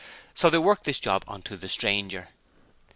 So they worked this job on to the stranger.